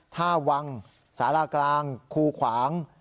ท่าวังสารากลางคูขวาง